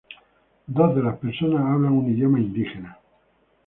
Dos de las personas hablan un idioma indígena.